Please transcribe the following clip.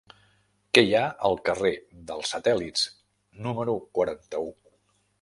Què hi ha al carrer dels Satèl·lits número quaranta-u?